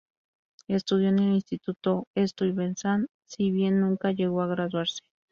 Estudió en el instituto Stuyvesant, si bien nunca llegó a graduarse.